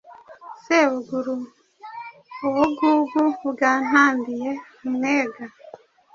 Sebuguru ubugugu bwa ntambiye umwega